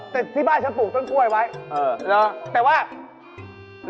อ๋อแต่ที่บ้านฉันปลูกต้นกล้วยไว้แต่ว่าเหรอ